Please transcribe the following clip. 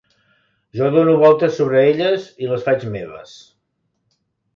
Jo dono voltes sobre elles i les faig meves.